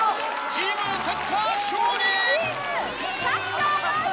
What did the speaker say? チームサッカーの勝利です！